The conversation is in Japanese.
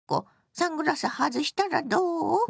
サングラス外したらどう？